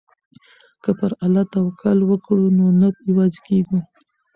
که پر الله توکل وکړو نو نه یوازې کیږو.